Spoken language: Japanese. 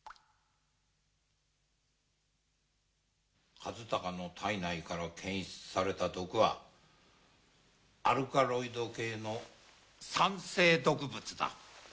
和鷹の体内から検出された毒はアルカロイド系の酸性毒物だ。